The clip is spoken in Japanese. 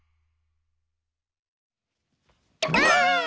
ばあっ！